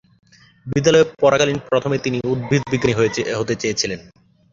বিদ্যালয়ে পড়াকালীন প্রথমে তিনি উদ্ভিদবিজ্ঞানী হতে চেয়েছিলেন।